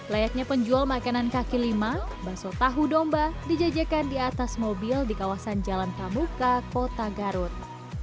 layaknya penjual makanan kaki lima bakso tahu domba dijajakan di atas mobil di kawasan jalan pramuka kota garut